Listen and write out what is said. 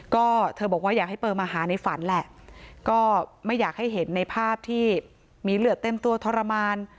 ก็เธอบอกว่าอยากให้เบอร์มาหาในฝันแหละก็ไม่อยากให้เห็นในภาพที่มีเหลือเต็มตัวทรมาน